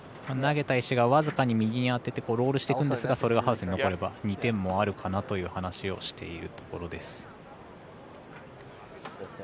投げた石が僅かに右に当ててロールしていくんですがそれがハウスに残れば２点もあるかなという話をしているところです。